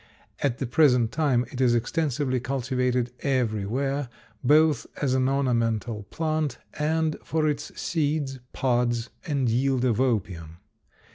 At the present time it is extensively cultivated everywhere, both as an ornamental plant and for its seeds, pods, and yield of opium.